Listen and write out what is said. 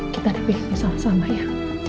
kita lebih bersama sama ya